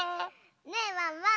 ねえワンワン！